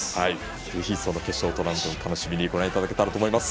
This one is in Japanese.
ぜひ、その決勝トーナメントを楽しみにご覧いただけたらと思います。